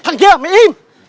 thằng kia mày im